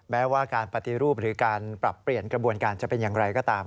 แม้ว่าการปฏิรูปหรือการปรับเปลี่ยนกระบวนการจะเป็นอย่างไรก็ตาม